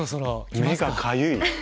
目がかゆい。